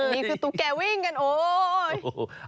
นี่คือตุ๊กแกวิ่งกันโอ๊ย